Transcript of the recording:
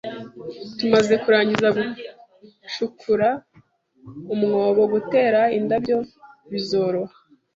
Tumaze kurangiza gucukura umwobo, gutera indabyo bizoroha